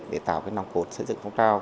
để tạo cái nòng cột xây dựng phong trào